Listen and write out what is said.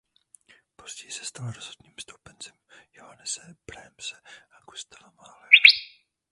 Později se stal rozhodným stoupencem Johannese Brahmse a Gustava Mahlera.